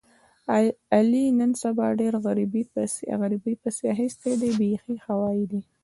علي نن سبا ډېر غریبۍ پسې اخیستی دی بیخي هوایي دی.